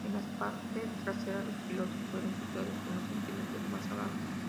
En la parte trasera los pilotos fueron situados unos centímetros más abajo.